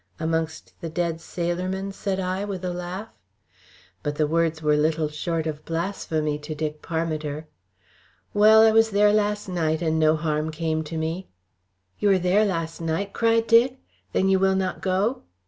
"Amongst the dead sailor men?" said I, with a laugh. But the words were little short of blasphemy to Dick Parmiter. "Well, I was there last night, and no harm came to me." "You were there last night?" cried Dick. "Then you will not go?"